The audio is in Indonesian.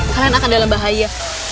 kalian akan dalam bahaya